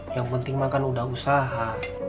yang penting makan udah usaha